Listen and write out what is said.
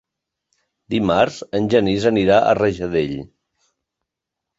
Dimarts en Genís anirà a Rajadell.